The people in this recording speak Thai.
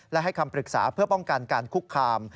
และให้คำปรึกษาเพื่อป้องกันการคุกคาม